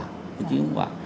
trí không hiệu quả